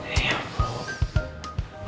eh ya ampun